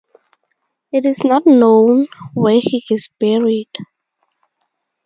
It is not known where he is buried.